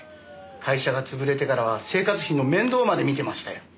会社が潰れてからは生活費の面倒まで見てましたよ。